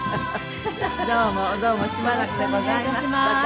どうもどうもしばらくでございました。